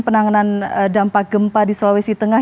penanganan dampak gempa di sulawesi tengah